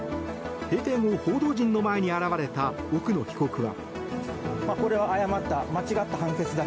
閉廷後、報道陣の前に現れた奥野被告は。